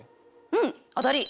うん当たり！